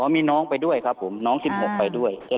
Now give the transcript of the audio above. อ๋อมีน้องไปด้วยครับผมน้องสิบหกไปด้วยอ่า